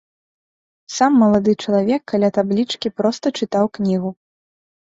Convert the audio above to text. Сам малады чалавек каля таблічкі проста чытаў кнігу.